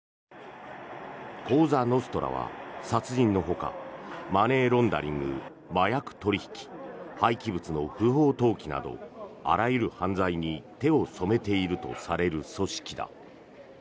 コーザ・ノストラは殺人のほかマネーロンダリング麻薬取引、廃棄物の不法投棄などあらゆる犯罪に手を染めているとされる組織だ。